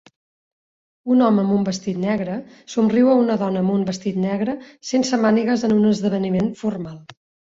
Un home amb un vestit negre somriu a una dona amb un vestit negre sense mànigues en un esdeveniment formal